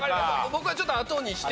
僕はちょっとあとにして。